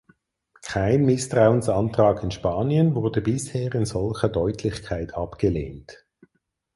Kein Misstrauensantrag in Spanien wurde bisher in solcher Deutlichkeit abgelehnt.